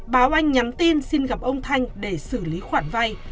báo anh nhắn tin xin gặp ông thanh để xử lý khoản vay